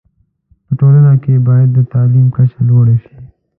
په ټولنه کي باید د تعلیم کچه لوړه شی